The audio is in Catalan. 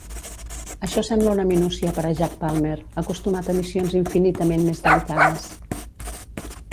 Això sembla una minúcia per a Jack Palmer, acostumat a missions infinitament més delicades.